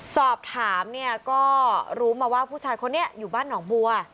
สอบถามเนี่ยก็รู้มาว่าผู้ชายคนนี้อยู่บ้านหนองบัว